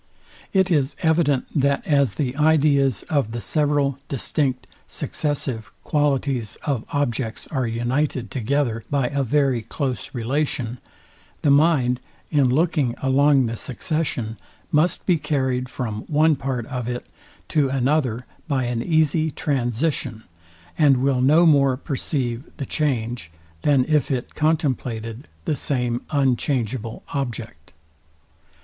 It is evident, that as the ideas of the several distinct, successive qualities of objects are united together by a very close relation, the mind, in looking along the succession, must be carryed from one part of it to another by an easy transition, and will no more perceive the change, than if it contemplated the same unchangeable object.